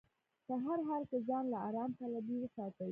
په هر حال کې ځان له ارام طلبي وساتي.